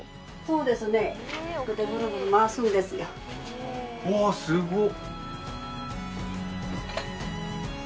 うわっすごっ。